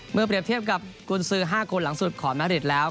เปรียบเทียบกับกุญสือ๕คนหลังสุดของแมริตแล้ว